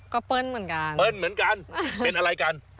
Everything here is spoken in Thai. ก็เปิ้ลเหมือนกันเปิ้ลเหมือนกันเป็นอะไรกัน